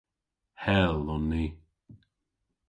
Hel on ni.